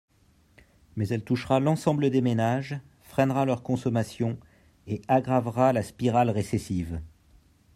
Mais elle touchera l’ensemble des ménages, freinera leur consommation et aggravera la spirale récessive.